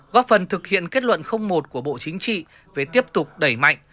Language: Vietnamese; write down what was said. góp phần thực hiện kết luận một của bộ chính trị về tiếp tục đẩy mạnh